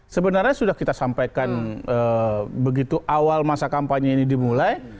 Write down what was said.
sebenarnya sudah kita sampaikan begitu awal masa kampanye ini dimulai